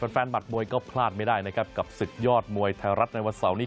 แฟนหัดมวยก็พลาดไม่ได้นะครับกับศึกยอดมวยไทยรัฐในวันเสาร์นี้